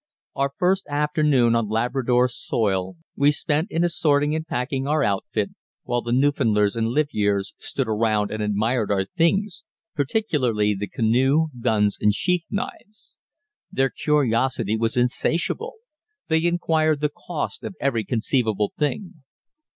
Our first afternoon on Labrador soil we spent in assorting and packing our outfit, while the Newfoundlanders and livyeres stood around and admired our things, particularly the canoe, guns, and sheath knives. Their curiosity was insatiable; they inquired the cost of every conceivable thing.